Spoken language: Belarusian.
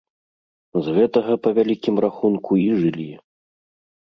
З гэтага, па вялікім рахунку, і жылі.